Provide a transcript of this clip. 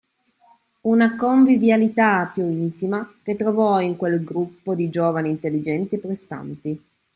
una convivialità più intima, che trovò in quel gruppo di giovani intelligenti e prestanti.